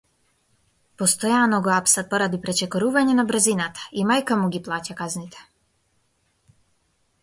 Постојано го апсат поради пречекорување на брзината и мајка му ги плаќа казните.